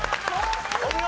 お見事！